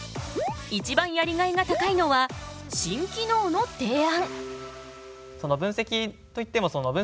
一番やりがいが高いのは新機能の提案。